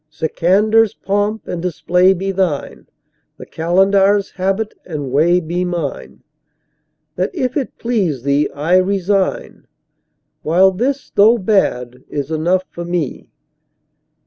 Sikandar's3 pomp and display be thine, the Qalandar's4 habit and way be mine; That, if it please thee, I resign, while this, though bad, is enough for me.